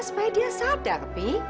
supaya dia sadar